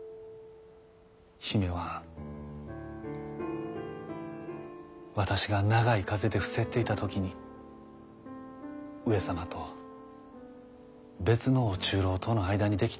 姫は私が長い風邪で伏せっていた時に上様と別の御中臈との間にできた子ぉや。